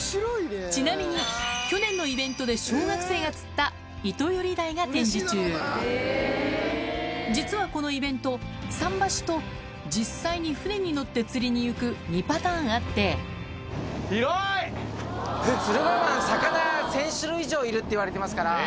ちなみに去年のイベントでが展示中実はこのイベント桟橋と実際に船に乗って釣りに行く２パターンあっているっていわれてますから。